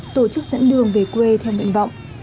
tổ chức dẫn đường về quê theo nguyện vọng